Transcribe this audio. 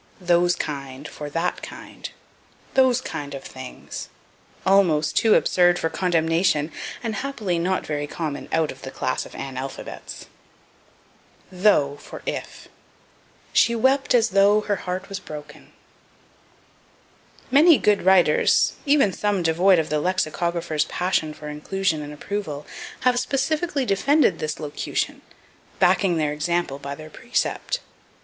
Those Kind for That Kind. "Those kind of things." Almost too absurd for condemnation, and happily not very common out of the class of analphabets. Though for If. "She wept as though her heart was broken." Many good writers, even some devoid of the lexicographers' passion for inclusion and approval, have specifically defended this locution, backing their example by their precept.